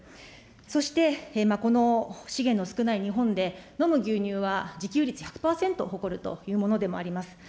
そしてこの資源の少ない日本で、飲む牛乳は自給率１００％を誇るというものでもあります。